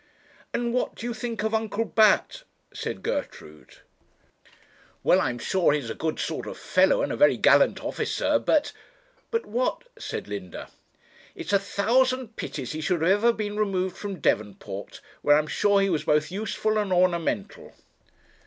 'And what do you think of Uncle Bat?' said Gertrude. 'Well, I am sure he's a good sort of fellow, and a very, gallant officer, but ' 'But what?' said Linda. 'It's a thousand pities he should have ever been removed from Devonport, where I am sure he was both useful and ornamental.'